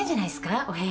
お部屋。